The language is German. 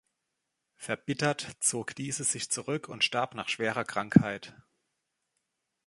Verbittert zog diese sich zurück und starb nach schwerer Krankheit.